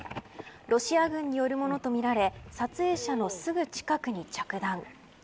ロシア軍によるものとみられ撮影者のすぐ近くに着弾。